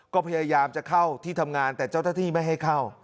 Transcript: ก็พยายามจะเข้าที่ทำงานแต่เจ้าหน้าที่ไม่ให้เข้า